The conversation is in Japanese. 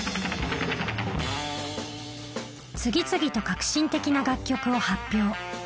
次々と革新的な楽曲を発表。